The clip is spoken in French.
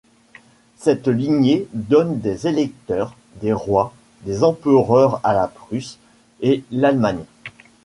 Cette lignée donne des électeurs, des rois, des empereurs à la Prusse et l'Allemagne.